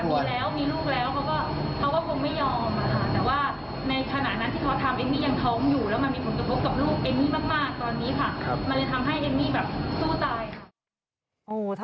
มันเลยทำให้เอ็มมี่แบบสู้ตาย